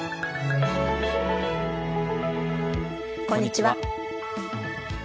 こんにちは。